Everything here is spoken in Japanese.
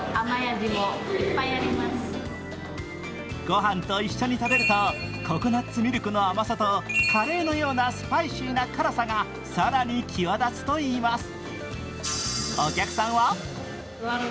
御飯と一緒に食べるとココナッツミルクの甘さとカレーのようなスパイシーな辛さが更に際立つといいます。